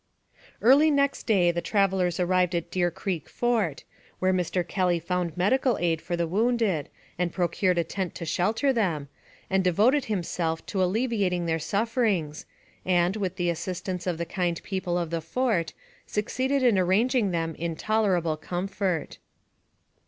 Early next day the travelers arrived at Deer Creek Fort, where Mr. Kelly found medical aid for the wounded, and procured a tent to shelter them, and devoted himself to alleviating their sufferings, and, with the assistance of the kind people of the fort, suc ceeded in arranging them in tolerable comfort.